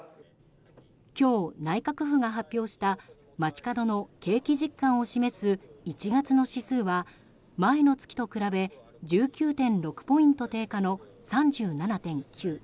今日、内閣府が発表した街角の景気実感を示す１月の指数は、前の月と比べ１９．６ポイント低下の３７．９。